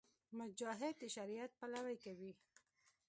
مجاهد د شریعت پلوۍ کوي.